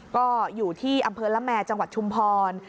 ก็อยู่ที่อำเภอละแมจังหวัดชุมพร